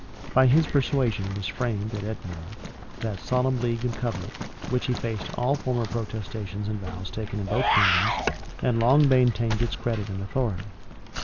By his persuasion was framed, at Edinburgh, that Solemn League and Covenant, which effaced all former protestations and vows taken in both kingdoms, and long maintained its credit and authority.